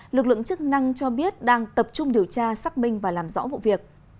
lực lượng chức năng cho biết đang tập trung điều tra xác minh và làm rõ vụ việc